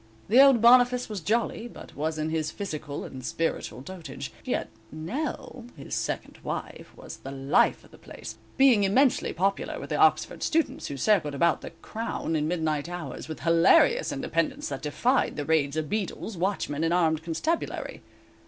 The old Boniface was jolly, but was in his physical and spiritual dotage, yet "Nell," his second wife, was the life of the place, being immensely popular with the Oxford students, who circled about the "Crown" in midnight hours, with hilarious independence, that defied the raids of beadles, watchmen and armed constabulary.